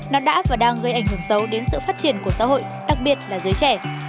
nó đã và đang gây ảnh hưởng sâu đến sự phát triển của xã hội đặc biệt là giới trẻ